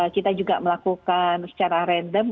kita juga melakukan secara random